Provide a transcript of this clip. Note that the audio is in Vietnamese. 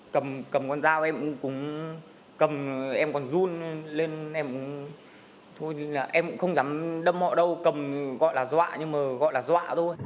cầm con dao em cũng cũng cầm em còn run lên em cũng thôi em cũng không dám đâm họ đâu cầm gọi là dọa nhưng mà gọi là dọa thôi